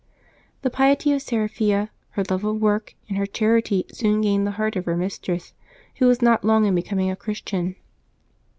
The piety of Seraphia, her love of work, and her charity soon gained the heart of her mistress, who was not long in becoming a Christian.